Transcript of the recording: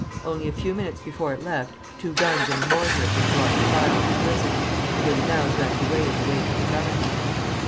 Only a few minutes before it left, two guns and a mortar had been brought to fire on the prison; they were now dragged away in the wake of the Government.